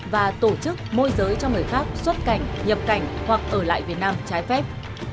và tổ chức môi giới cho người khác xuất cảnh nhập cảnh hoặc ở lại việt nam trái phép